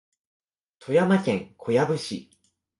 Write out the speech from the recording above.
富山県小矢部市